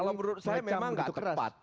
kalau menurut saya memang nggak tepat